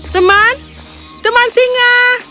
teman teman singa